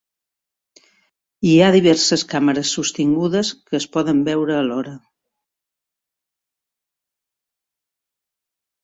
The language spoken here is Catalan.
Hi ha diverses càmeres sostingudes, que es poden veure alhora.